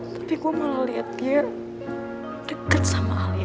tapi gue malah liat dia deket sama alia